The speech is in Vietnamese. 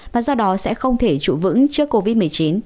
và do đó sẽ không thể trụ vững trước covid một mươi chín